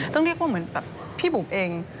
ต้องเรียกว่าเหมือนแบบพี่บุ๋มเอง